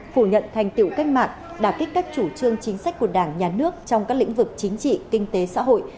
phủ nhận thành tựu cách mạng đạt kích các chủ trương chính sách của đảng nhà nước trong các lĩnh vực chính trị kinh tế xã hội